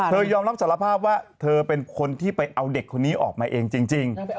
ยอมรับสารภาพว่าเธอเป็นคนที่ไปเอาเด็กคนนี้ออกมาเองจริง